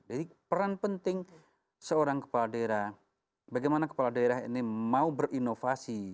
jadi peran penting seorang kepala daerah bagaimana kepala daerah ini mau berinovasi